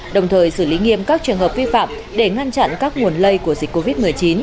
đồng thời xử lý nghiêm các trường hợp vi phạm để ngăn chặn các nguồn lây của dịch covid một mươi chín